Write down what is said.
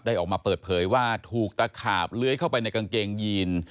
ออกมาเปิดเผยว่าถูกตะขาบเลื้อยเข้าไปในกางเกงยีน